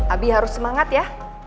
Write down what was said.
abi harus semangat ya